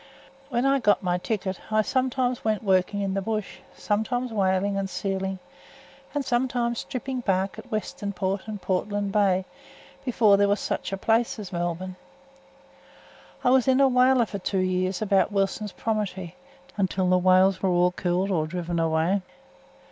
When I got my ticket I sometimes went working in th' bush, sometimes whaling and sealing, and sometimes stripping bark at Western Port and Portland Bay, before there was such a place as Melbourne. I was in a whaler for two years about Wilson's Promontory, until the whales were all killed or driven away.